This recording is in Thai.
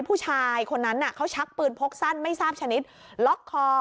ผู้ชายคนนั้นเขาชักปืนพกสั้นไม่ทราบชนิดล็อกคอ